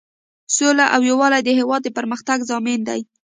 سوله او یووالی د هیواد د پرمختګ ضامن دی.